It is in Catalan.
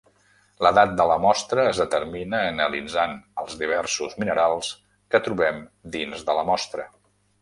L"edat de la mostra es determina analitzant els diversos minerals que trobem dins de la mostra.